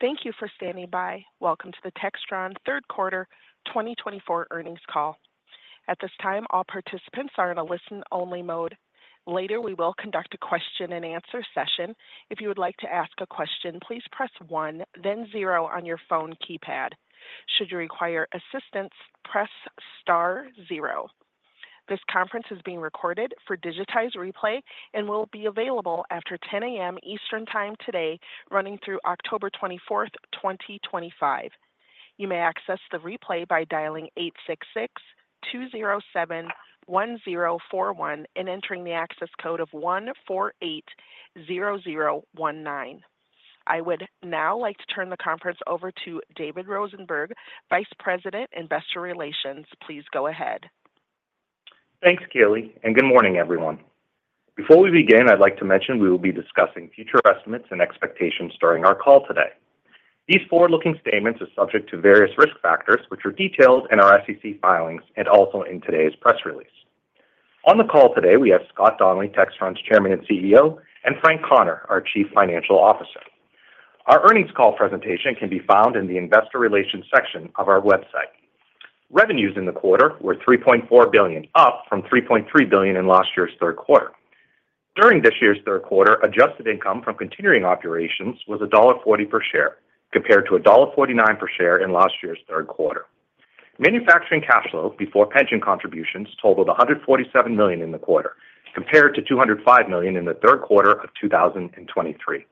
Thank you for standing by. Welcome to the Textron Third Quarter 2024 Earnings Call. At this time, all participants are in a listen-only mode. Later, we will conduct a question-and-answer session. If you would like to ask a question, please press one, then zero on your phone keypad. Should you require assistance, press star zero. This conference is being recorded for digitized replay and will be available after 10 A.M. Eastern Time today, running through October 24, 2025. You may access the replay by dialing 866-207-1041 and entering the access code of 1480019. I would now like to turn the conference over to David Rosenberg, Vice President, Investor Relations. Please go ahead. Thanks, Kelly, and good morning, everyone. Before we begin, I'd like to mention we will be discussing future estimates and expectations during our call today. These forward-looking statements are subject to various risk factors, which are detailed in our SEC filings and also in today's press release. On the call today, we have Scott Donnelly, Textron's Chairman and CEO, and Frank Connor, our Chief Financial Officer. Our earnings call presentation can be found in the Investor Relations section of our website. Revenues in the quarter were $3.4 billion, up from $3.3 billion in last year's third quarter. During this year's third quarter, adjusted income from continuing operations was $1.40 per share, compared to $1.49 per share in last year's third quarter. Manufacturing cash flow before pension contributions totaled $147 million in the quarter, compared to $205 million in the third quarter of 2023.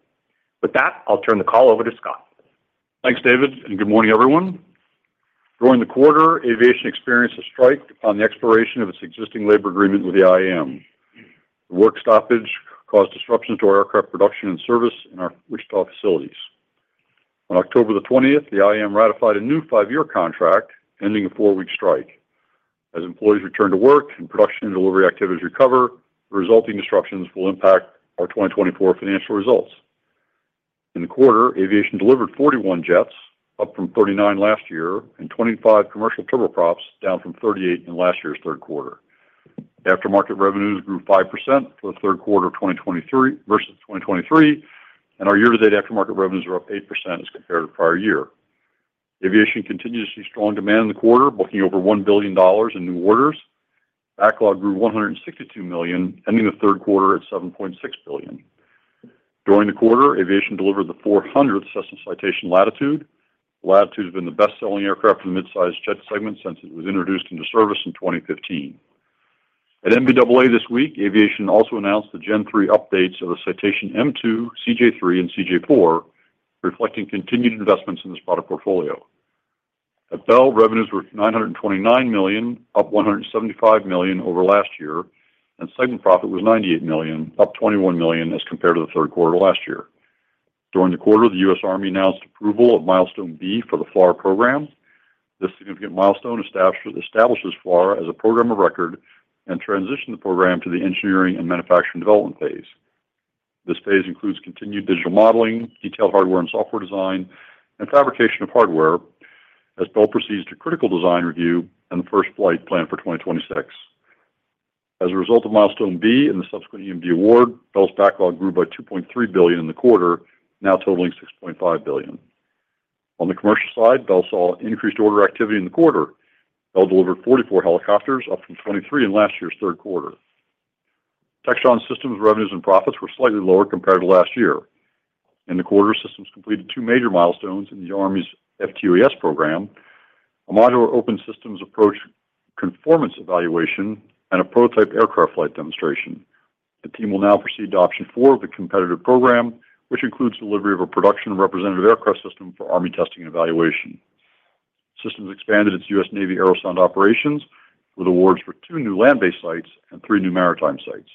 With that, I'll turn the call over to Scott. Thanks, David, and good morning, everyone. During the quarter, Aviation experienced a strike on the expiration of its existing labor agreement with the IAM. The work stoppage caused disruptions to our aircraft production and service in our Wichita facilities. On October the twentieth, the IAM ratified a new five-year contract, ending a four-week strike. As employees return to work and production and delivery activities recover, the resulting disruptions will impact our 2024 financial results. In the quarter, eAviation delivered 41 jets, up from 39 last year, and 25 commercial turboprops, down from 38 in last year's third quarter. Aftermarket revenues grew 5% for the third quarter of 2023 versus 2022, and our year-to-date aftermarket revenues were up 8% as compared to prior year. Aviation continued to see strong demand in the quarter, booking over $1 billion in new orders. Backlog grew $162 million, ending the third quarter at $7.6 billion. During the quarter, Aviation delivered the 400th Cessna Citation Latitude. Latitude has been the best-selling aircraft in the mid-size jet segment since it was introduced into service in 2015. At NBAA this week, Aviation also announced the Gen 3 updates of the Citation M2, CJ3, and CJ4, reflecting continued investments in this product portfolio. At Bell, revenues were $929 million, up $175 million over last year, and segment profit was $98 million, up $21 million as compared to the third quarter last year. During the quarter, the US Army announced approval of Milestone B for the FLRAA program. This significant milestone establishes FLRAA as a program of record and transitioned the program to the engineering and manufacturing development phase. This phase includes continued digital modeling, detailed hardware and software design, and fabrication of hardware as Bell proceeds to critical design review and the first flight planned for 2026. As a result of Milestone B and the subsequent EMD award, Bell's backlog grew by $2.3 billion in the quarter, now totaling $6.5 billion. On the commercial side, Bell saw increased order activity in the quarter. Bell delivered 44 helicopters, up from 23 in last year's third quarter. Textron Systems revenues and profits were slightly lower compared to last year. In the quarter, Systems completed two major milestones in the Army's FTUAS program, a modular open systems approach, conformance evaluation, and a prototype aircraft flight demonstration. The team will now proceed to option four of the competitive program, which includes delivery of a production representative aircraft system for Army testing and evaluation. Systems expanded its U.S. Navy Aerosonde operations with awards for two new land-based sites and three new maritime sites.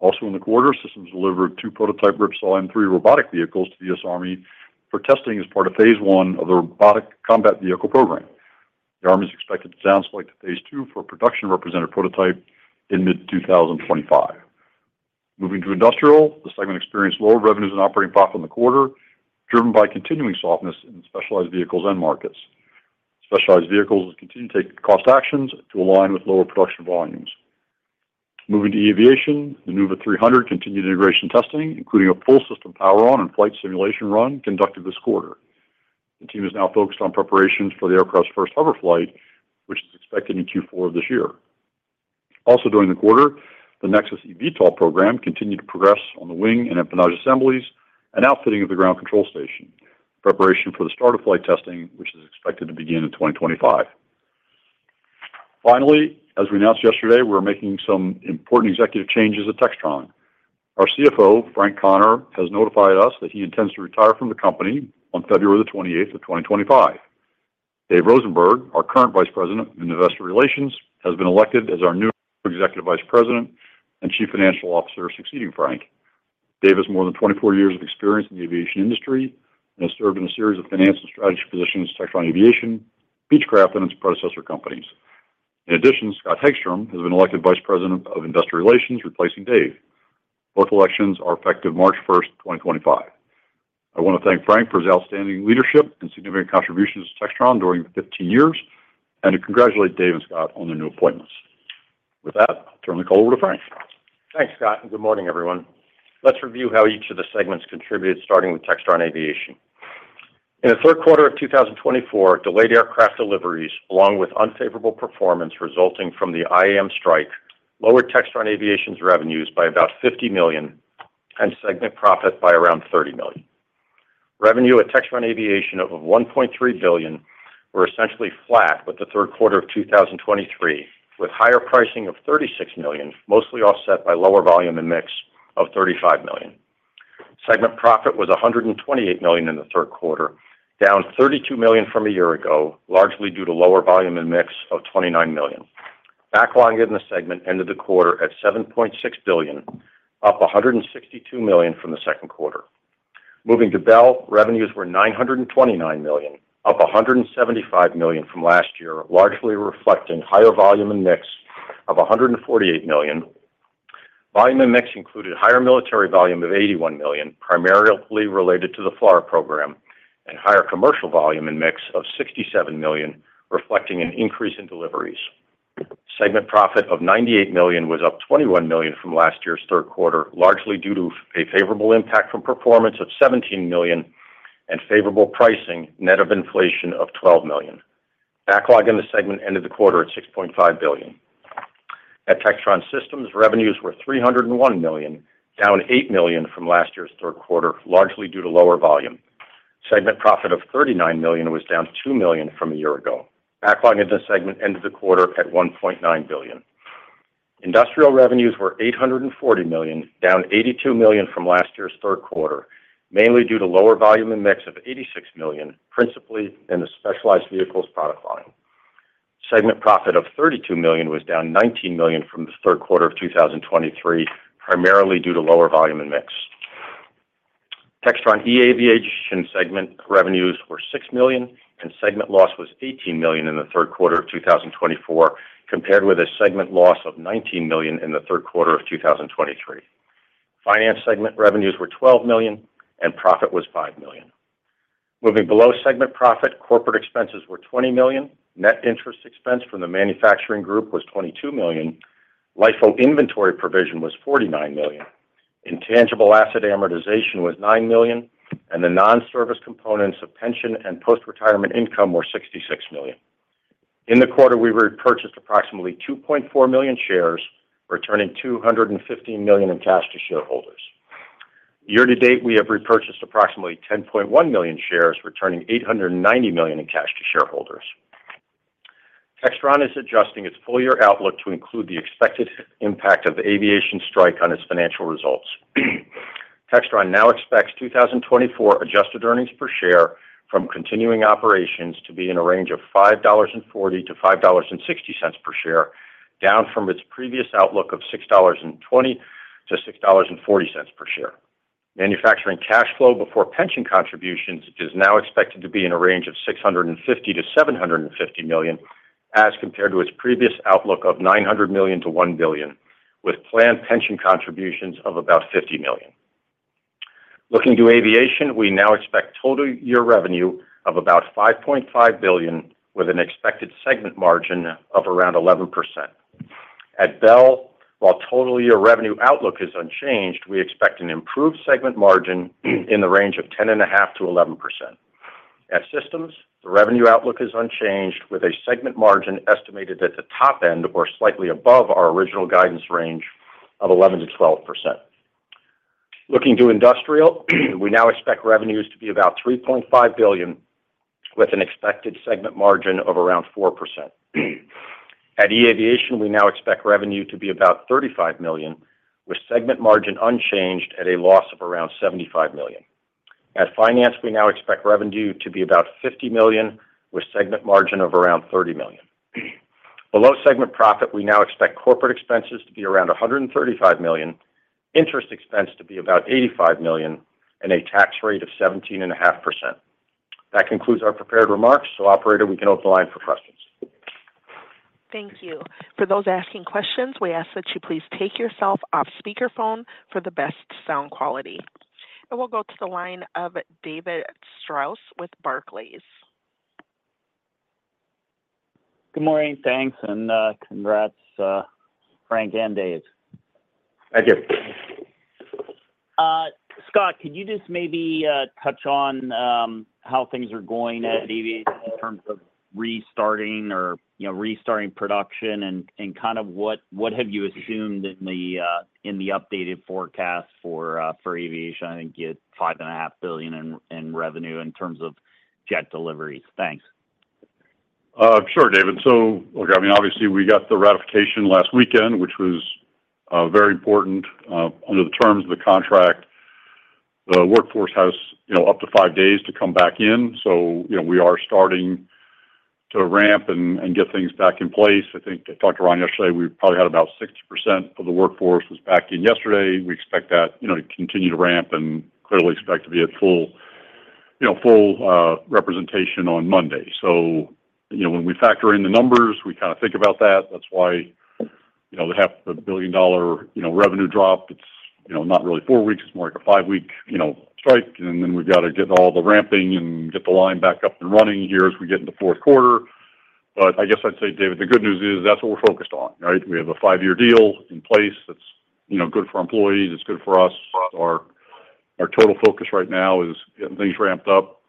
Also in the quarter, Systems delivered two prototype Ripsaw M3 robotic vehicles to the U.S. Army for testing as part of phase one of the Robotic Combat Vehicle program. The Army is expected to down select to phase two for a production representative prototype in mid-2025. Moving to industrial, the segment experienced lower revenues and operating profit in the quarter, driven by continuing softness in specialized vehicles and markets. Specialized vehicles continue to take cost actions to align with lower production volumes. Moving to aviation, the Nuuva V300 continued integration testing, including a full system power on and flight simulation run conducted this quarter. The team is now focused on preparations for the aircraft's first hover flight, which is expected in Q4 of this year. Also, during the quarter, the Nexus eVTOL program continued to progress on the wing and empennage assemblies and outfitting of the ground control station, preparation for the start of flight testing, which is expected to begin in twenty twenty-five. Finally, as we announced yesterday, we're making some important executive changes at Textron. Our CFO, Frank Connor, has notified us that he intends to retire from the company on February the twenty-eighth of twenty twenty-five. Dave Rosenberg, our current Vice President in Investor Relations, has been elected as our new Executive Vice President and Chief Financial Officer, succeeding Frank. Dave has more than 24 years of experience in the aviation industry and has served in a series of finance and strategy positions at Textron Aviation, Beechcraft, and its predecessor companies. In addition, Scott Hagstrom has been elected Vice President of Investor Relations, replacing Dave. Both elections are effective March first, twenty twenty-five. I want to thank Frank for his outstanding leadership and significant contributions to Textron during the fifteen years, and to congratulate Dave and Scott on their new appointments. With that, I'll turn the call over to Frank. Thanks, Scott, and good morning, everyone. Let's review how each of the segments contributed, starting with Textron Aviation. In the third quarter of 2024, delayed aircraft deliveries, along with unfavorable performance resulting from the IAM strike, lowered Textron Aviation's revenues by about $50 million and segment profit by around $30 million. Revenue at Textron Aviation of $1.3 billion were essentially flat with the third quarter of 2023, with higher pricing of $36 million, mostly offset by lower volume and mix of $35 million. Segment profit was $128 million in the third quarter, down $32 million from a year ago, largely due to lower volume and mix of $29 million. Backlog in the segment ended the quarter at $7.6 billion, up $162 million from the second quarter. Moving to Bell, revenues were $929 million, up $175 million from last year, largely reflecting higher volume and mix of $148 million. Volume and mix included higher military volume of $81 million, primarily related to the FLRAA program, and higher commercial volume and mix of $67 million, reflecting an increase in deliveries. Segment profit of $98 million was up $21 million from last year's third quarter, largely due to a favorable impact from performance of $17 million and favorable pricing net of inflation of $12 million. Backlog in the segment ended the quarter at $6.5 billion. At Textron Systems, revenues were $301 million, down $8 million from last year's third quarter, largely due to lower volume. Segment profit of $39 million was down $2 million from a year ago. Backlog in this segment ended the quarter at $1.9 billion. Industrial revenues were $840 million, down $82 million from last year's third quarter, mainly due to lower volume and mix of $86 million, principally in the specialized vehicles product line. Segment profit of $32 million was down $19 million from the third quarter of 2023, primarily due to lower volume and mix. Textron eAviation segment revenues were $6 million, and segment loss was $18 million in the third quarter of 2024, compared with a segment loss of $19 million in the third quarter of 2023. Finance segment revenues were $12 million, and profit was $5 million. Moving below segment profit, corporate expenses were $20 million. Net interest expense from the manufacturing group was $22 million. LIFO inventory provision was $49 million. Intangible asset amortization was $9 million, and the non-service components of pension and post-retirement income were $66 million. In the quarter, we repurchased approximately 2.4 million shares, returning $215 million in cash to shareholders. Year to date, we have repurchased approximately 10.1 million shares, returning $890 million in cash to shareholders. Textron is adjusting its full-year outlook to include the expected impact of the aviation strike on its financial results. Textron now expects 2024 adjusted earnings per share from continuing operations to be in a range of $5.40-$5.60 per share, down from its previous outlook of $6.20-$6.40 per share. Manufacturing cash flow before pension contributions is now expected to be in a range of $650 million-$750 million, as compared to its previous outlook of $900 million-$1 billion, with planned pension contributions of about $50 million. Looking to aviation, we now expect total year revenue of about $5.5 billion, with an expected segment margin of around 11%. At Bell, while total year revenue outlook is unchanged, we expect an improved segment margin in the range of 10.5%-11%. At Systems, the revenue outlook is unchanged, with a segment margin estimated at the top end or slightly above our original guidance range of 11%-12%. Looking to industrial, we now expect revenues to be about $3.5 billion, with an expected segment margin of around 4%. At eAviation, we now expect revenue to be about $35 million, with segment margin unchanged at a loss of around $75 million. At Finance, we now expect revenue to be about $50 million, with segment margin of around $30 million. Below segment profit, we now expect corporate expenses to be around $135 million, interest expense to be about $85 million, and a tax rate of 17.5%. That concludes our prepared remarks. So, Operator, we can open the line for questions. Thank you. For those asking questions, we ask that you please take yourself off speaker phone for the best sound quality, and we'll go to the line of David Strauss with Barclays. Good morning, thanks, and congrats, Frank and Dave. Thank you. Scott, could you just maybe touch on how things are going at aviation in terms of restarting or, you know, restarting production and kind of what have you assumed in the updated forecast for aviation? I think you had $5.5 billion in revenue in terms of jet deliveries. Thanks. Sure, David. So, look, I mean, obviously, we got the ratification last weekend, which was very important. Under the terms of the contract, the workforce has, you know, up to five days to come back in, so, you know, we are starting to ramp and get things back in place. I think I talked to Ron yesterday; we probably had about 60% of the workforce back in yesterday. We expect that, you know, to continue to ramp and clearly expect to be at full, you know, full representation on Monday. So, you know, when we factor in the numbers, we kind of think about that. That's why, you know, the $500 million revenue drop, it's-... You know, not really four weeks, it's more like a five-week, you know, strike, and then we've got to get all the ramping and get the line back up and running here as we get into fourth quarter. But I guess I'd say, David, the good news is, that's what we're focused on, right? We have a five-year deal in place that's, you know, good for our employees, it's good for us. Our total focus right now is getting things ramped up.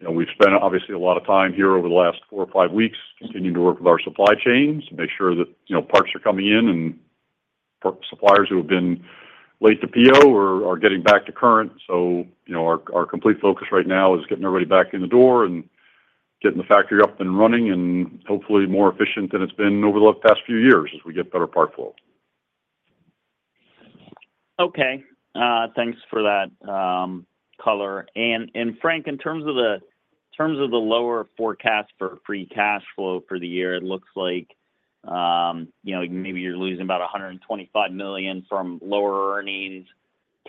You know, we've spent, obviously, a lot of time here over the last four or five weeks continuing to work with our supply chains to make sure that, you know, parts are coming in, and part suppliers who have been late to PO are getting back to current. So, you know, our complete focus right now is getting everybody back in the door and getting the factory up and running and hopefully more efficient than it's been over the past few years as we get better part flow. Okay. Thanks for that, color. And Frank, in terms of the terms of the lower forecast for free cash flow for the year, it looks like, you know, maybe you're losing about $125 million from lower earnings.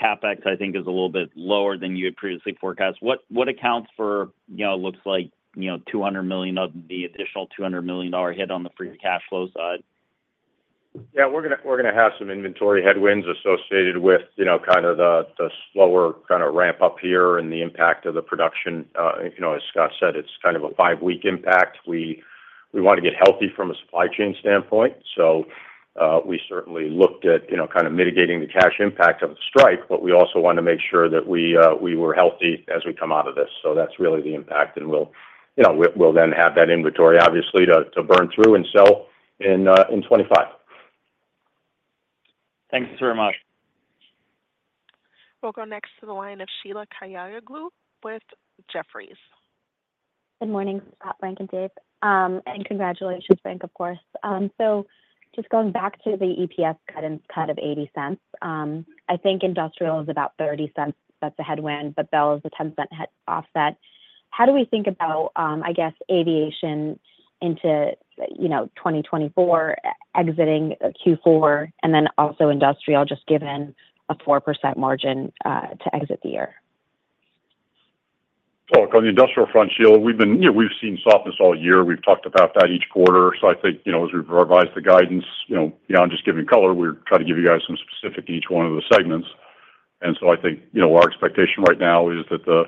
CapEx, I think, is a little bit lower than you had previously forecast. What accounts for, you know, looks like, you know, $200 million of the additional $200 million dollar hit on the free cash flow side? Yeah, we're gonna have some inventory headwinds associated with, you know, kind of the slower kind of ramp-up here and the impact of the production. You know, as Scott said, it's kind of a five-week impact. We want to get healthy from a supply chain standpoint, so we certainly looked at, you know, kind of mitigating the cash impact of the strike, but we also want to make sure that we were healthy as we come out of this. So that's really the impact, and we'll, you know, we'll then have that inventory, obviously, to burn through and sell in 2025. Thanks very much. We'll go next to the line of Sheila Kahyaoglu with Jefferies. Good morning, Scott, Frank, and Dave. And congratulations, Frank, of course. So just going back to the EPS cut of $0.80. I think industrial is about $0.30, that's a headwind, but Bell is a $0.10 headwind offset. How do we think about, I guess, aviation into, you know, 2024, exiting Q4, and then also industrial, just given a 4% margin, to exit the year? Look, on the industrial front, Sheila, we've been. You know, we've seen softness all year. We've talked about that each quarter. So I think, you know, as we've revised the guidance, you know, beyond just giving color, we're trying to give you guys some specifics in each one of the segments. And so I think, you know, our expectation right now is that the,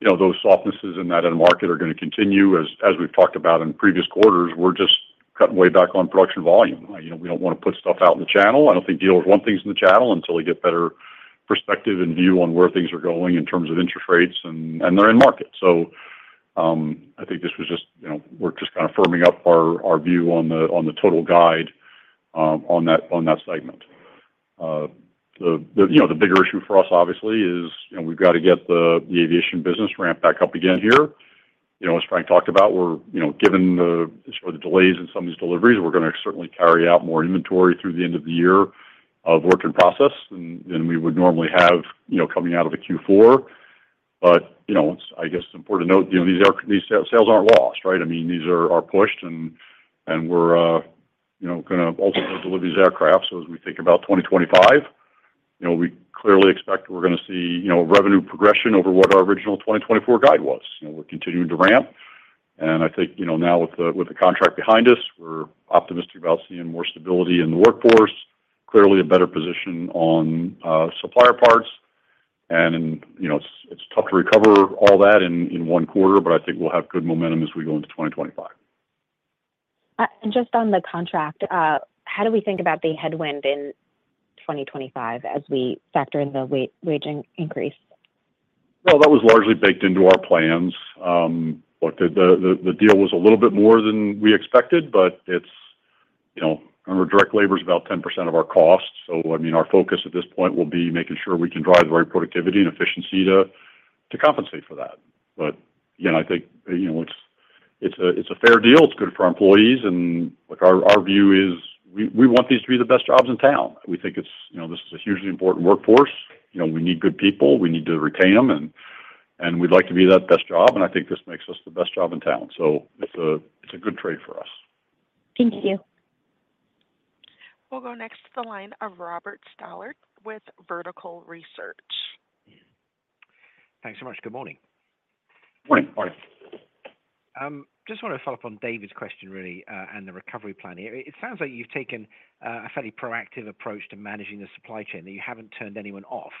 you know, those softnesses in that end market are gonna continue. As we've talked about in previous quarters, we're just cutting way back on production volume. You know, we don't want to put stuff out in the channel. I don't think dealers want things in the channel until they get better perspective and view on where things are going in terms of interest rates, and their end market. So, I think this was just, you know, we're just kind of firming up our view on the total guide on that segment. The bigger issue for us, obviously, is, you know, we've got to get the aviation business ramped back up again here. You know, as Frank talked about, we're, you know, given the sort of the delays in some of these deliveries, we're gonna certainly carry out more inventory through the end of the year of work in process than we would normally have, you know, coming out of the Q4. But, you know, it's. I guess it's important to note, you know, these sales aren't lost, right? I mean, these are pushed and we're, you know, gonna ultimately deliver these aircraft. As we think about twenty twenty-five, you know, we clearly expect we're gonna see, you know, revenue progression over what our original twenty twenty-four guide was. You know, we're continuing to ramp, and I think, you know, now with the contract behind us, we're optimistic about seeing more stability in the workforce, clearly a better position on supplier parts. You know, it's tough to recover all that in one quarter, but I think we'll have good momentum as we go into twenty twenty-five. And just on the contract, how do we think about the headwind in 2025 as we factor in the wage increase? That was largely baked into our plans. Look, the deal was a little bit more than we expected, but it's. You know, remember, direct labor is about 10% of our cost, so, I mean, our focus at this point will be making sure we can drive the right productivity and efficiency to compensate for that. But, you know, I think, you know, it's a fair deal. It's good for our employees, and, like, our view is, we want these to be the best jobs in town. We think it's, you know, this is a hugely important workforce. You know, we need good people, we need to retain them, and we'd like to be that best job, and I think this makes us the best job in town. So it's a good trade for us. Thank you. We'll go next to the line of Robert Stallard with Vertical Research. Thanks so much. Good morning. Morning. Morning. Just want to follow up on David's question, really, and the recovery plan. It sounds like you've taken a fairly proactive approach to managing the supply chain, that you haven't turned anyone off.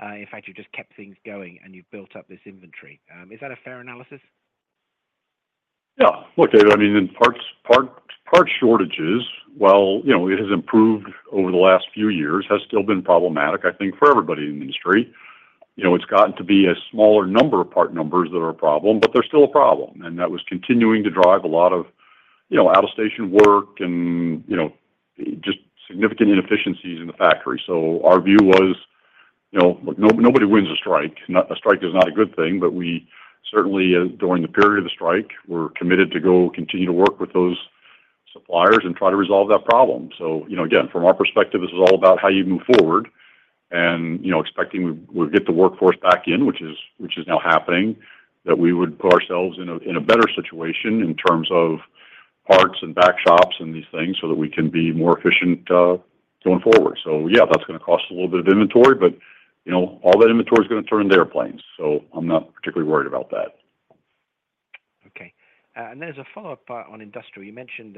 In fact, you've just kept things going, and you've built up this inventory. Is that a fair analysis? Yeah. Look, I mean, parts shortages, while, you know, it has improved over the last few years, has still been problematic, I think, for everybody in the industry. You know, it's gotten to be a smaller number of part numbers that are a problem, but they're still a problem. And that was continuing to drive a lot of, you know, out-of-station work and, you know, just significant inefficiencies in the factory. So our view was, you know, look, nobody wins a strike. A strike is not a good thing, but we certainly during the period of the strike, we're committed to go continue to work with those suppliers and try to resolve that problem. So, you know, again, from our perspective, this is all about how you move forward. You know, expecting we'll get the workforce back in, which is now happening, that we would put ourselves in a better situation in terms of parts and back shops and these things, so that we can be more efficient, going forward. So yeah, that's gonna cost a little bit of inventory, but, you know, all that inventory is gonna turn into airplanes, so I'm not particularly worried about that.... And then as a follow-up part on industrial, you mentioned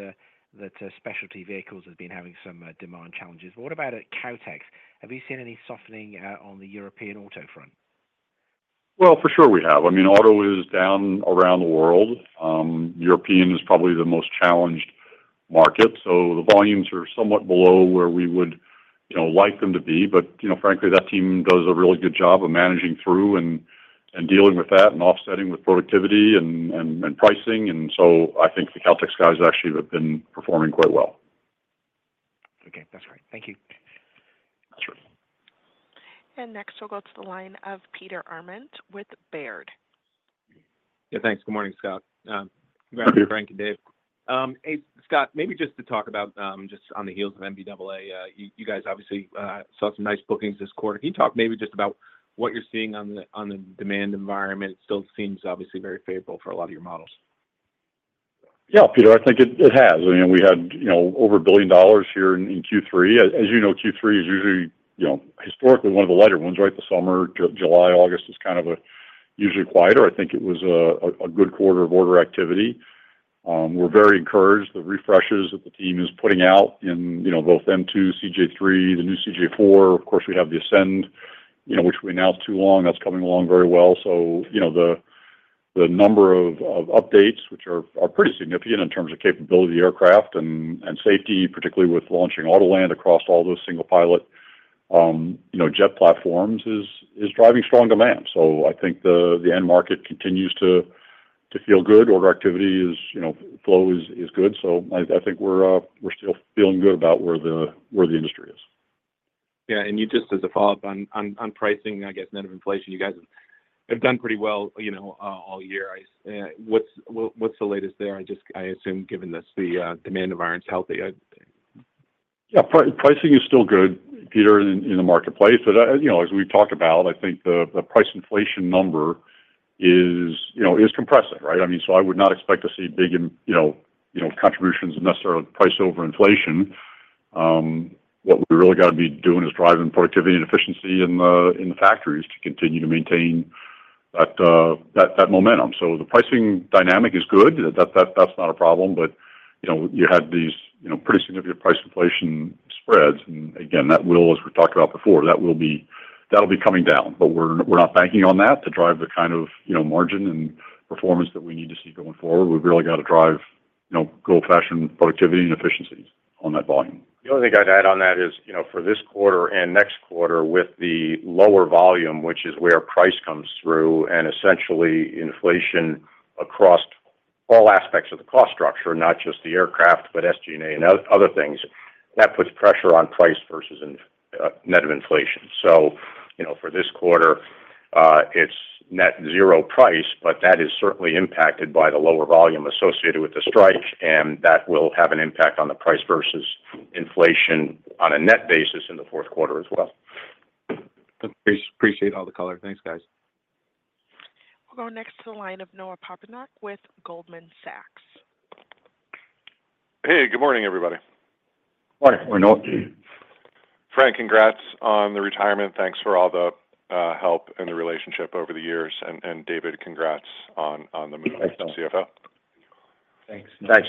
that specialty vehicles have been having some demand challenges. What about at Kautex? Have you seen any softening on the European auto front? For sure we have. I mean, auto is down around the world. European is probably the most challenged market, so the volumes are somewhat below where we would, you know, like them to be. But, you know, frankly, that team does a really good job of managing through and pricing. And so I think the Kautex guys actually have been performing quite well. Okay. That's right. Thank you. That's right. Next, we'll go to the line of Peter Arment with Baird. Yeah, thanks. Good morning, Scott. Thank you. Frank and Dave. Hey, Scott, maybe just to talk about just on the heels of NBAA, you guys obviously saw some nice bookings this quarter. Can you talk maybe just about what you're seeing on the demand environment? It still seems obviously very favorable for a lot of your models. Yeah, Peter, I think it has. I mean, we had, you know, over $1 billion here in Q3. As you know, Q3 is usually, you know, historically one of the lighter ones, right? The summer, July, August is kind of usually quieter. I think it was a good quarter of order activity. We're very encouraged. The refreshes that the team is putting out in, you know, both M2, CJ3, the new CJ4, of course, we have the Ascend, you know, which we announced too long, that's coming along very well. So, you know, the number of updates, which are pretty significant in terms of capability of the aircraft and safety, particularly with launching Autoland across all those single pilot, you know, jet platforms, is driving strong demand. I think the end market continues to feel good. Order activity is, you know, flow is good. I think we're still feeling good about where the industry is. Yeah, and you just as a follow-up on pricing, I guess, net of inflation, you guys have done pretty well, you know, all year. What's the latest there? I just, I assume, given this, the demand environment is healthy, I... Yeah, pricing is still good, Peter, in the marketplace. But, you know, as we've talked about, I think the price inflation number is, you know, compressive, right? I mean, so I would not expect to see big contributions necessarily price over inflation. What we really got to be doing is driving productivity and efficiency in the factories to continue to maintain that momentum. So the pricing dynamic is good. That's not a problem, but, you know, you had these pretty significant price inflation spreads, and again, that will, as we talked about before, that'll be coming down. But we're not banking on that to drive the kind of margin and performance that we need to see going forward. We've really got to drive, you know, good old-fashioned productivity and efficiencies on that volume. The only thing I'd add on that is, you know, for this quarter and next quarter, with the lower volume, which is where price comes through, and essentially inflation across all aspects of the cost structure, not just the aircraft, but SG&A and other things, that puts pressure on price versus inflation, net of inflation. So, you know, for this quarter, it's net zero price, but that is certainly impacted by the lower volume associated with the strike, and that will have an impact on the price versus inflation on a net basis in the fourth quarter as well. Appreciate all the color. Thanks, guys. We'll go next to the line of Noah Poponak with Goldman Sachs. Hey, good morning, everybody. Morning, Noah. Hey. Frank, congrats on the retirement. Thanks for all the help and the relationship over the years. And David, congrats on the move to CFO. Thanks. Thanks.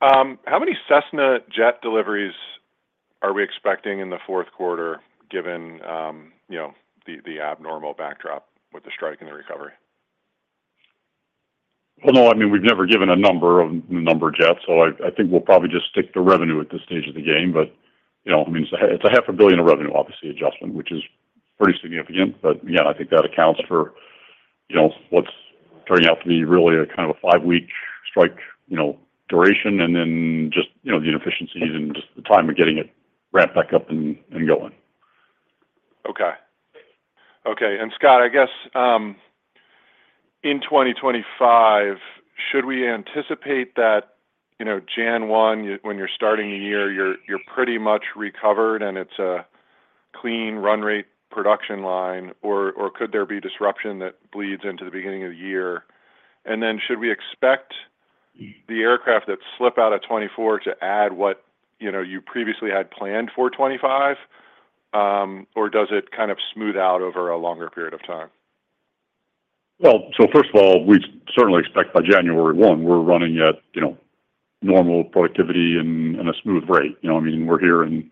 How many Cessna jet deliveries are we expecting in the fourth quarter, given, you know, the abnormal backdrop with the strike and the recovery? Noah, I mean, we've never given a number on the number of jets, so I think we'll probably just stick to revenue at this stage of the game. But, you know, I mean, it's a half a billion of revenue, obviously, adjustment, which is pretty significant. But yeah, I think that accounts for, you know, what's turning out to be really a kind of a five-week strike, you know, duration, and then just, you know, the inefficiencies and just the time of getting it ramped back up and going. Okay. Okay, and Scott, I guess, in 2025, should we anticipate that, you know, January 1, when you're starting the year, you're pretty much recovered and it's a clean run rate production line, or could there be disruption that bleeds into the beginning of the year? And then should we expect the aircraft that slip out of 2024 to add what, you know, you previously had planned for 2025, or does it kind of smooth out over a longer period of time? So first of all, we certainly expect by January 1, we're running at, you know, normal productivity and a smooth rate. You know, I mean, we're here in,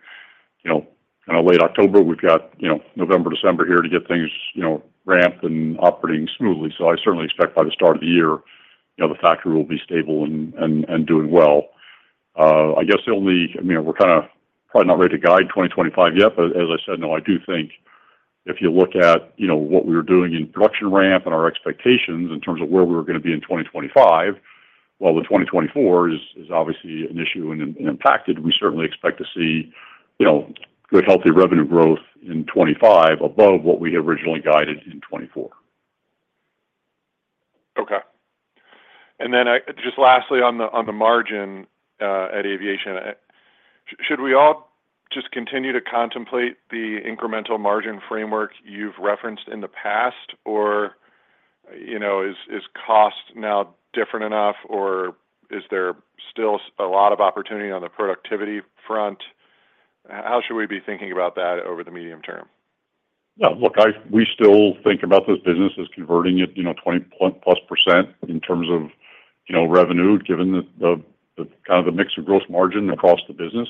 you know, kind of late October. We've got, you know, November, December here to get things, you know, ramped and operating smoothly. So I certainly expect by the start of the year, you know, the factory will be stable and doing well. I guess the only... I mean, we're kind of probably not ready to guide 2025 yet, but as I said, Noah, I do think if you look at, you know, what we were doing in production ramp and our expectations in terms of where we were going to be in 2025, well, the 2024 is obviously an issue and impacted. We certainly expect to see, you know, good, healthy revenue growth in 2025 above what we had originally guided in 2024. Okay. And then I just lastly on the margin at Aviation, should we all just continue to contemplate the incremental margin framework you've referenced in the past? Or, you know, is cost now different enough, or is there still a lot of opportunity on the productivity front? How should we be thinking about that over the medium term?... Yeah, look, we still think about this business as converting it, you know, 20-plus% in terms of, you know, revenue, given the kind of the mix of gross margin across the business.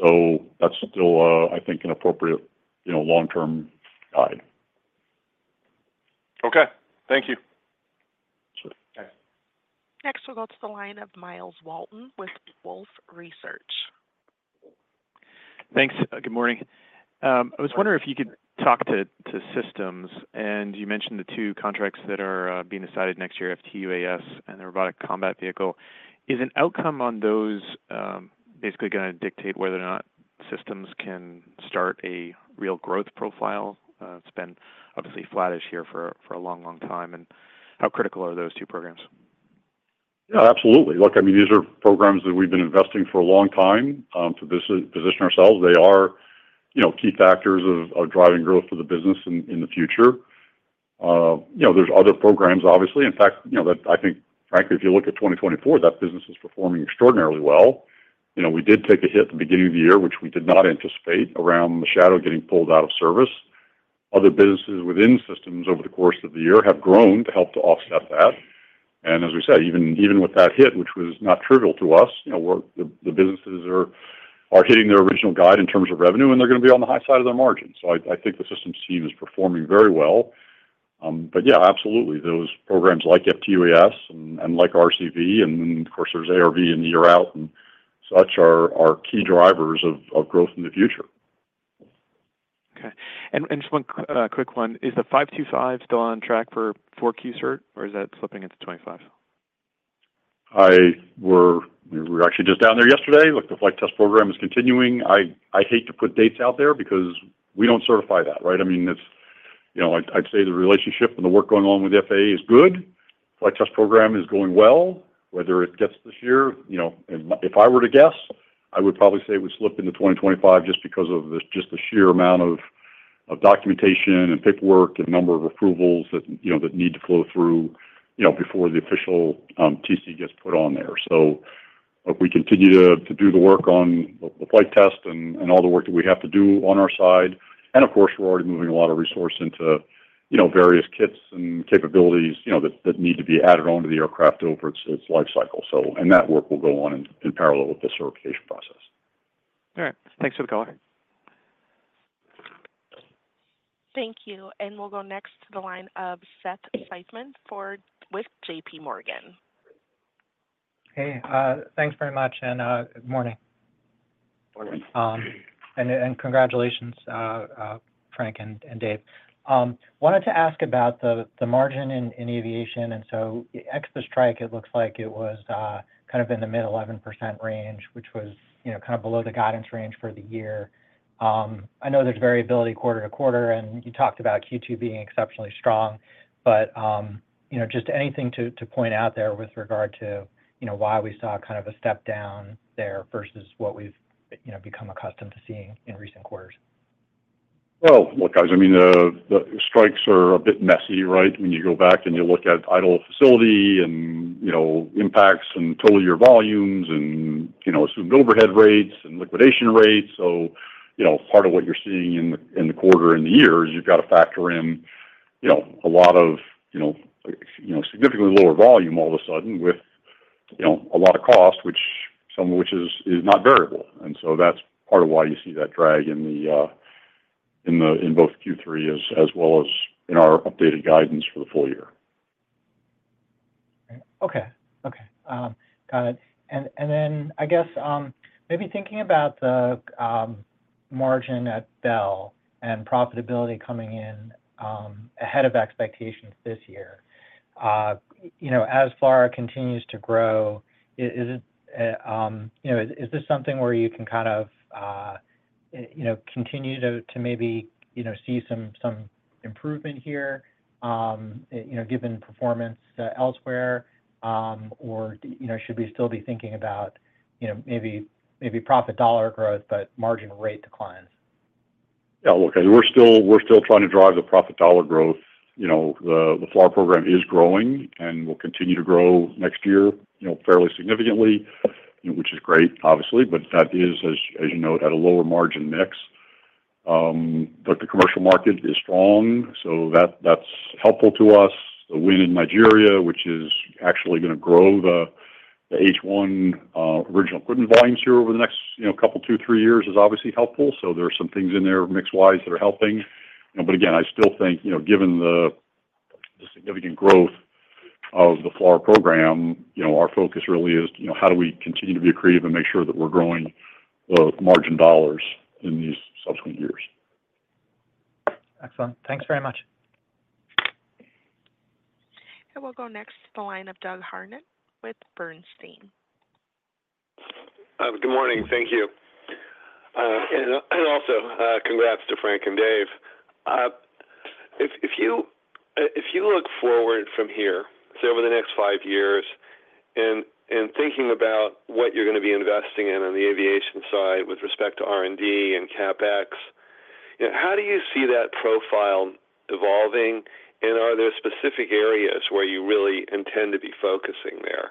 So that's still, I think, an appropriate, you know, long-term guide. Okay. Thank you. Sure. Next, we'll go to the line of Myles Walton with Wolfe Research. Thanks. Good morning. I was wondering if you could talk to systems, and you mentioned the two contracts that are being decided next year, FTUAS and the Robotic Combat Vehicle. Is an outcome on those basically gonna dictate whether or not systems can start a real growth profile? It's been obviously flattish here for a long, long time, and how critical are those two programs? Yeah, absolutely. Look, I mean, these are programs that we've been investing for a long time to position ourselves. They are, you know, key factors of driving growth for the business in the future. You know, there's other programs, obviously. In fact, you know, that I think frankly, if you look at 2024, that business is performing extraordinarily well. You know, we did take a hit at the beginning of the year, which we did not anticipate, around the Shadow getting pulled out of service. Other businesses within systems over the course of the year have grown to help to offset that, and as we say, even with that hit, which was not trivial to us, you know, the businesses are hitting their original guide in terms of revenue, and they're gonna be on the high side of their margins. I think the systems team is performing very well, but yeah, absolutely. Those programs like FTUAS and like RCV, and of course, there's ARV in the year out and such, are key drivers of growth in the future. Okay. And just one quick one: Is the 525 still on track for four Q cert, or is that slipping into twenty-five? We were actually just down there yesterday. Look, the flight test program is continuing. I hate to put dates out there because we don't certify that, right? I mean, it's, you know, I'd say the relationship and the work going on with the FAA is good. Flight test program is going well. Whether it gets this year, you know, if I were to guess, I would probably say it would slip into 2025 just because of just the sheer amount of documentation and paperwork and number of approvals that, you know, that need to flow through, you know, before the official TC gets put on there. So if we continue to do the work on the flight test and all the work that we have to do on our side, and of course, we're already moving a lot of resources into, you know, various kits and capabilities, you know, that need to be added on to the aircraft over its life cycle. And that work will go on in parallel with the certification process. All right. Thanks for the call. Thank you. And we'll go next to the line of Seth Seifman with J.P. Morgan. Hey, thanks very much, and, good morning. Morning. Congratulations, Frank and Dave. Wanted to ask about the margin in aviation, and so ex the strike, it looks like it was kind of in the mid-11% range, which was, you know, kind of below the guidance range for the year. I know there's variability quarter to quarter, and you talked about Q2 being exceptionally strong, but, you know, just anything to point out there with regard to, you know, why we saw kind of a step down there versus what we've, you know, become accustomed to seeing in recent quarters? Well, look, guys. I mean, the strikes are a bit messy, right? When you go back and you look at idle facility and, you know, impacts and total year volumes and, you know, assumed overhead rates and liquidation rates. So, you know, part of what you're seeing in the quarter and the year is you've got to factor in, you know, a lot of, you know, you know, significantly lower volume all of a sudden with, you know, a lot of cost, which some of which is not variable. And so that's part of why you see that drag in both Q3 as well as in our updated guidance for the full year. Okay. Got it. And then I guess maybe thinking about the margin at Bell and profitability coming in ahead of expectations this year, you know, as FLRAA continues to grow, is it you know, is this something where you can kind of you know continue to maybe you know see some improvement here, you know, given performance elsewhere, or you know, should we still be thinking about you know, maybe profit dollar growth, but margin rate declines? Yeah, look, I mean, we're still trying to drive the profit dollar growth. You know, the FLRAA program is growing and will continue to grow next year, you know, fairly significantly, which is great, obviously, but that is, as you note, at a lower margin mix. But the commercial market is strong, so that's helpful to us. The win in Nigeria, which is actually gonna grow the H-1 original equipment volumes here over the next, you know, couple, two, three years is obviously helpful. So there are some things in there, mix wise, that are helping. But again, I still think, you know, given the significant growth of the FLRAA program, you know, our focus really is, you know, how do we continue to be creative and make sure that we're growing the margin dollars in these subsequent years? Excellent. Thanks very much. We'll go next to the line of Doug Harned with Bernstein. Good morning. Thank you. And also, congrats to Frank and Dave. If you look forward from here, say, over the next five years, and thinking about what you're going to be investing in on the aviation side with respect to R&D and CapEx, how do you see that profile evolving, and are there specific areas where you really intend to be focusing there?...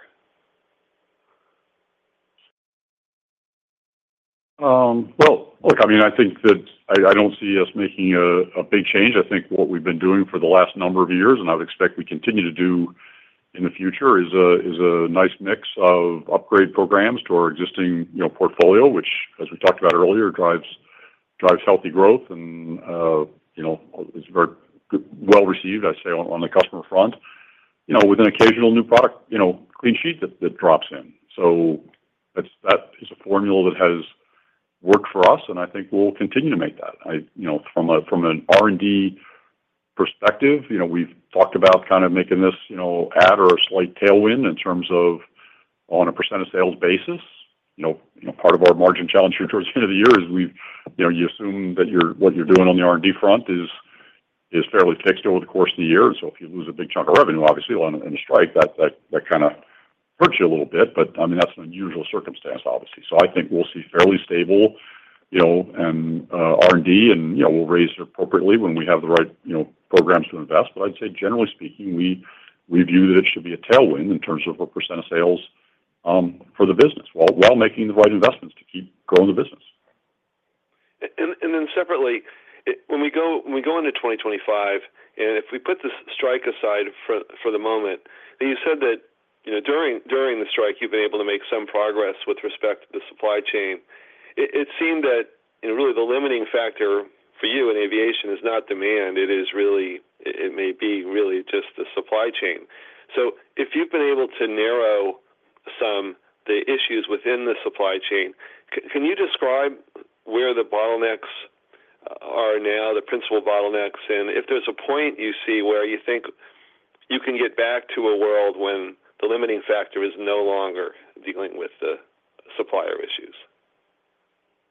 Well, look, I mean, I think that I don't see us making a big change. I think what we've been doing for the last number of years, and I would expect we continue to do in the future, is a nice mix of upgrade programs to our existing, you know, portfolio, which, as we talked about earlier, drives healthy growth and, you know, is very well received, I'd say, on the customer front. You know, with an occasional new product, you know, clean sheet that drops in. So that is a formula that has worked for us, and I think we'll continue to make that. You know, from an R&D perspective, you know, we've talked about kind of making this, you know, add or a slight tailwind in terms of on a percent of sales basis. You know, part of our margin challenge here towards the end of the year is we've you know, you assume that what you're doing on the R&D front is fairly fixed over the course of the year. So if you lose a big chunk of revenue, obviously, in a strike, that kinda hurts you a little bit, but, I mean, that's an unusual circumstance, obviously. So I think we'll see fairly stable, you know, and R&D, and, you know, we'll raise it appropriately when we have the right, you know, programs to invest. But I'd say, generally speaking, we view that it should be a tailwind in terms of what percent of sales for the business, while making the right investments to keep growing the business. And then separately, when we go into twenty twenty-five, and if we put this strike aside for the moment, you said that, you know, during the strike, you've been able to make some progress with respect to the supply chain. It seemed that, you know, really the limiting factor for you in aviation is not demand, it is really. It may be really just the supply chain. So if you've been able to narrow some of the issues within the supply chain, can you describe where the bottlenecks are now, the principal bottlenecks, and if there's a point you see where you think you can get back to a world where the limiting factor is no longer dealing with the supplier issues?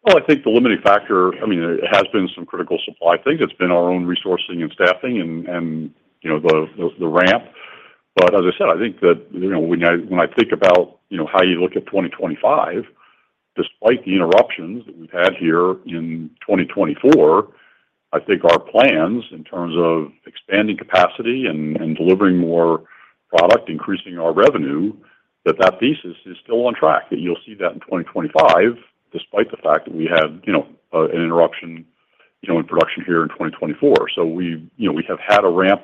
I think the limiting factor, I mean, it has been some critical supply things. It's been our own resourcing and staffing and, you know, the ramp. But as I said, I think that, you know, when I think about, you know, how you look at twenty twenty-five, despite the interruptions that we've had here in twenty twenty-four, I think our plans in terms of expanding capacity and delivering more product, increasing our revenue, that thesis is still on track, that you'll see that in twenty twenty-five, despite the fact that we had, you know, an interruption, you know, in production here in twenty twenty-four. We, you know, we have had a ramp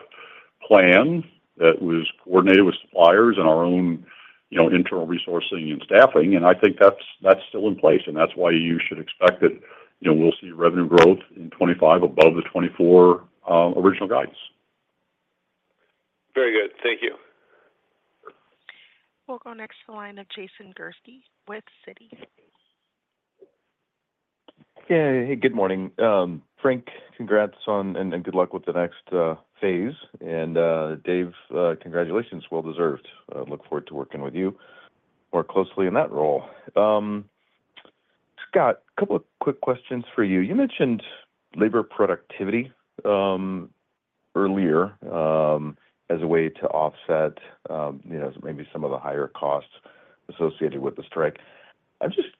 plan that was coordinated with suppliers and our own, you know, internal resourcing and staffing, and I think that's still in place, and that's why you should expect that, you know, we'll see revenue growth in twenty twenty-five above the twenty twenty-four original guidance. Very good. Thank you. We'll go next to the line of Jason Gursky with Citi. Yeah. Hey, good morning. Frank, congrats on and good luck with the next phase. And, Dave, congratulations, well deserved. I look forward to working with you more closely in that role. Scott, a couple of quick questions for you. You mentioned labor productivity earlier as a way to offset, you know, maybe some of the higher costs associated with the strike. I'm just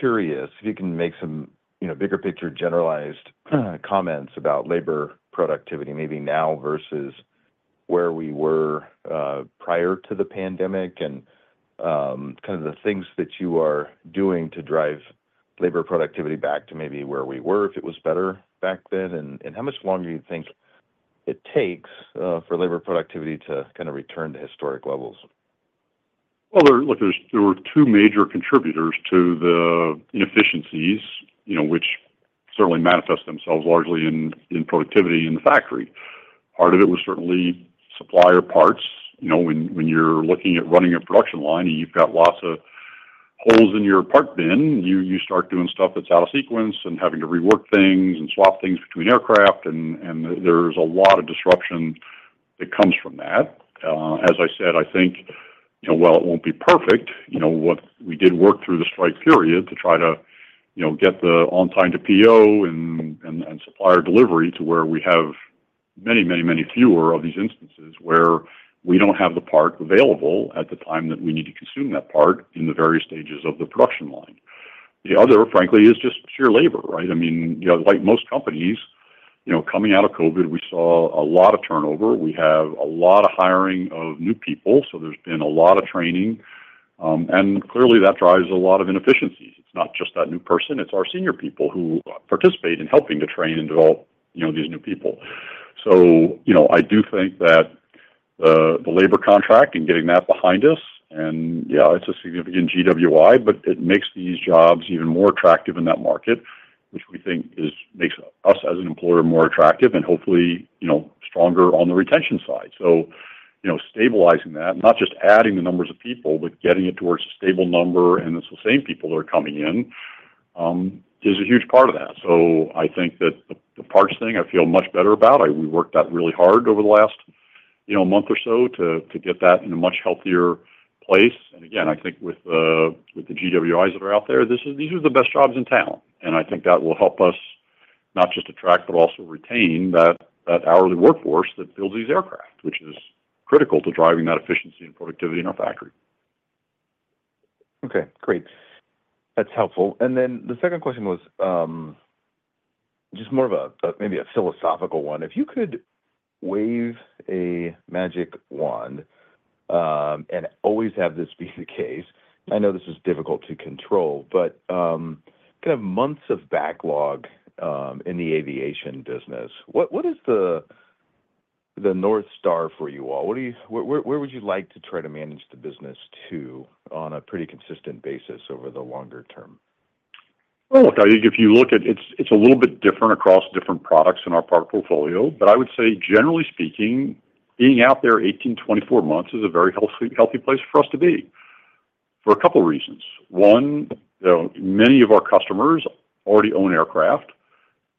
curious if you can make some, you know, bigger picture, generalized comments about labor productivity, maybe now versus where we were prior to the pandemic, and kind of the things that you are doing to drive labor productivity back to maybe where we were, if it was better back then. And how much longer do you think it takes for labor productivity to kind of return to historic levels? Look, there were two major contributors to the inefficiencies, you know, which certainly manifest themselves largely in productivity in the factory. Part of it was certainly supplier parts. You know, when you're looking at running a production line and you've got lots of holes in your part bin, you start doing stuff that's out of sequence and having to rework things and swap things between aircraft, and there's a lot of disruption that comes from that. As I said, I think, you know, while it won't be perfect, you know, what we did work through the strike period to try to, you know, get the on time to PO and supplier delivery to where we have many, many, many fewer of these instances where we don't have the part available at the time that we need to consume that part in the various stages of the production line. The other, frankly, is just pure labor, right? I mean, you know, like most companies, you know, coming out of COVID, we saw a lot of turnover. We have a lot of hiring of new people, so there's been a lot of training, and clearly, that drives a lot of inefficiencies. It's not just that new person, it's our senior people who participate in helping to train and develop, you know, these new people. So, you know, I do think that the labor contract and getting that behind us, and, yeah, it's a significant GWI, but it makes these jobs even more attractive in that market, which we think is, makes us, as an employer, more attractive and hopefully, you know, stronger on the retention side. So, you know, stabilizing that, not just adding the numbers of people, but getting it towards a stable number, and it's the same people that are coming in, is a huge part of that. So I think that the parts thing. I feel much better about. We worked out really hard over the last, you know, month or so to get that in a much healthier place. Again, I think with the, with the GWIs that are out there, this is, these are the best jobs in town, and I think that will help us not just attract, but also retain that, that hourly workforce that builds these aircraft, which is critical to driving that efficiency and productivity in our factory. Okay, great. That's helpful. And then the second question was just more of a maybe a philosophical one. If you could wave a magic wand and always have this be the case, I know this is difficult to control, but kind of months of backlog in the aviation business, what is the North Star for you all? What do you? Where would you like to try to manage the business to on a pretty consistent basis over the longer term? Look, I think if you look at it, it's a little bit different across different products in our product portfolio, but I would say generally speaking, being out there eighteen, twenty-four months is a very healthy place for us to be, for a couple reasons. One, you know, many of our customers already own aircraft,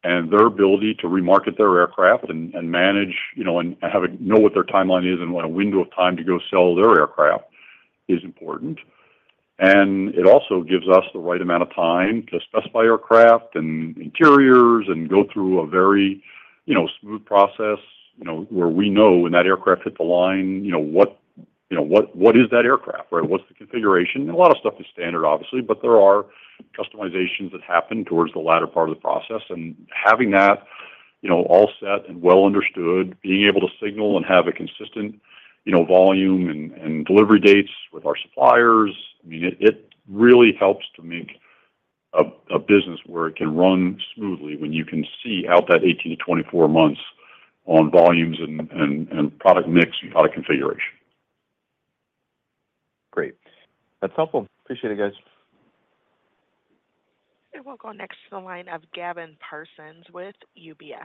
and their ability to remarket their aircraft and manage, you know, and know what their timeline is and what a window of time to go sell their aircraft is important. And it also gives us the right amount of time to specify aircraft and interiors and go through a very, you know, smooth process, you know, where we know when that aircraft hit the line, you know, what, what is that aircraft, right? What's the configuration? And a lot of stuff is standard, obviously, but there are customizations that happen towards the latter part of the process, and having that, you know, all set and well understood, being able to signal and have a consistent, you know, volume and delivery dates with our suppliers. I mean, it really helps to make a business where it can run smoothly when you can see out that eighteen to twenty-four months on volumes and product mix and product configuration. Great. That's helpful. Appreciate it, guys. We'll go next to the line of Gavin Parsons with UBS.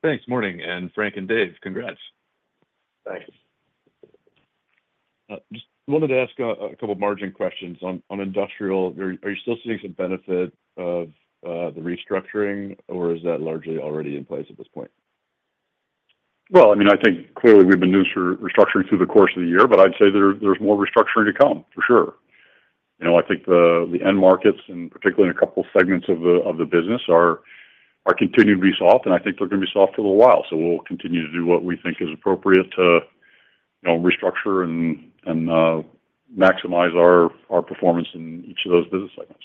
Thanks. Morning, and Frank and Dave, congrats. Thanks. Just wanted to ask a couple margin questions. On industrial, are you still seeing some benefit of the restructuring, or is that largely already in place at this point? Well, I mean, I think clearly we've been restructuring through the course of the year, but I'd say there's more restructuring to come, for sure. You know, I think the end markets, and particularly in a couple of segments of the business, are continuing to be soft, and I think they're going to be soft for a little while. So we'll continue to do what we think is appropriate to, you know, restructure and maximize our performance in each of those business segments.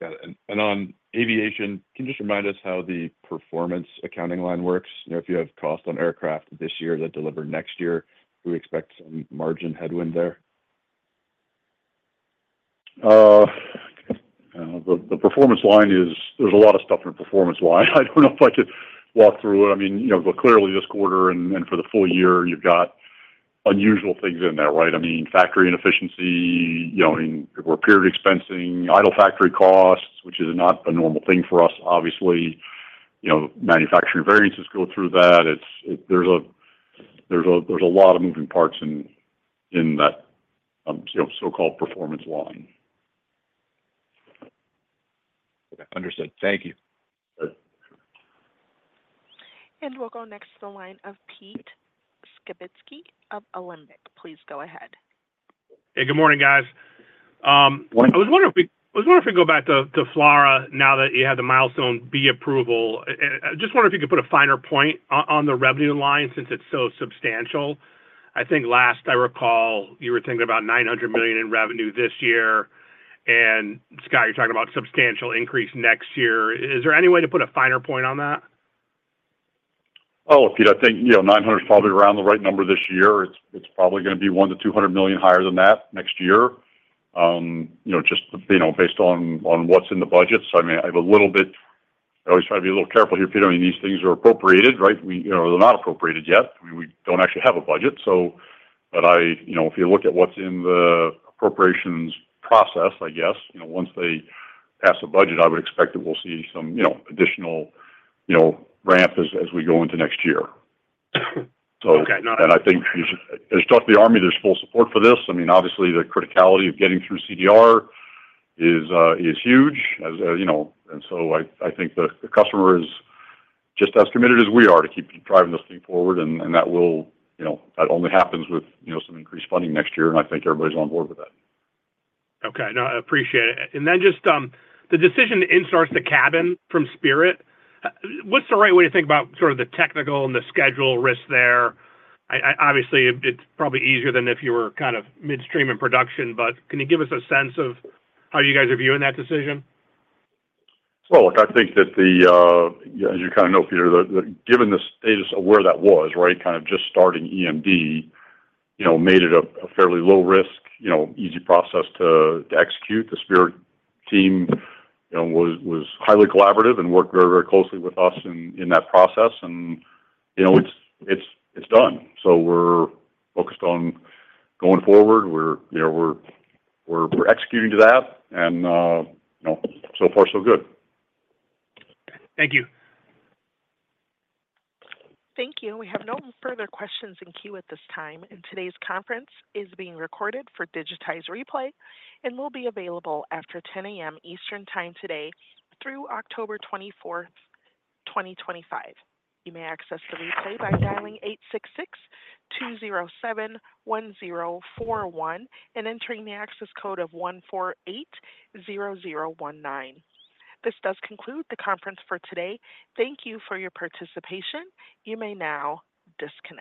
Got it. On aviation, can you just remind us how the performance accounting line works? You know, if you have cost on aircraft this year that deliver next year, do we expect some margin headwind there? The performance line is. There's a lot of stuff in the performance line. I don't know if I could walk through it. I mean, you know, but clearly this quarter and for the full year, you've got unusual things in there, right? I mean, factory inefficiency, you know, I mean, we're period expensing, idle factory costs, which is not a normal thing for us, obviously. You know, manufacturing variances go through that. It's. There's a lot of moving parts in that, you know, so-called performance line. Understood. Thank you. Sure. And we'll go next to the line of Pete Skibitsky of Alembic Global Advisors. Please go ahead. Hey, good morning, guys. Morning. I was wondering if we go back to FLRAA now that you have the Milestone B approval. Just wondering if you could put a finer point on the revenue line since it's so substantial. I think last I recall, you were thinking about $900 million in revenue this year, and Scott, you're talking about substantial increase next year. Is there any way to put a finer point on that? Oh, Pete, I think, you know, nine hundred is probably around the right number this year. It's probably gonna be $100 million-$200 million higher than that next year. You know, just based on what's in the budget. So, I mean, I have a little bit. I always try to be a little careful here, Pete. I mean, these things are appropriated, right? You know, they're not appropriated yet. We don't actually have a budget, so. But I. You know, if you look at what's in the appropriations process, I guess, you know, once they pass a budget, I would expect that we'll see some, you know, additional, you know, ramp as we go into next year. Okay. So, and I think as you talk to the Army, there's full support for this. I mean, obviously, the criticality of getting through CDR is huge, as you know, and so I think the customer is just as committed as we are to keep driving this thing forward, and that will, you know, that only happens with, you know, some increased funding next year, and I think everybody's on board with that. Okay. No, I appreciate it. And then just the decision to in-source the cabin from Spirit, what's the right way to think about sort of the technical and the schedule risk there? I. Obviously, it's probably easier than if you were kind of midstream in production, but can you give us a sense of how you guys are viewing that decision? Well, look, I think that as you kind of know, Peter, given the status of where that was, right, kind of just starting EMD, you know, made it a fairly low risk, you know, easy process to execute. The Spirit team, you know, was highly collaborative and worked very, very closely with us in that process, and, you know, it's done. So we're focused on going forward. We're, you know, we're executing to that, and you know, so far, so good. Thank you. Thank you. We have o further questions in queue at this time, and today's conference is being recorded for digitized replay and will be available after 10 A.M. Eastern Time today through October twenty-fourth, twenty twenty-five. You may access the replay by dialing eight six six two zero seven one zero four one and entering the access code of one four eight zero zero one nine. This does conclude the conference for today. Thank you for your participation. You may now disconnect.